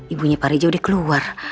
ibunya pak rejo udah keluar